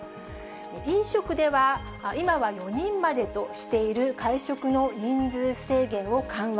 飲食では、今は４人までとしている会食の人数制限を緩和。